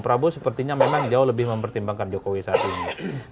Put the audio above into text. prabowo sepertinya memang jauh lebih mempertimbangkan jokowi saat ini